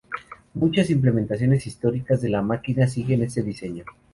Muchas implementaciones históricas de la máquina siguen este diseño.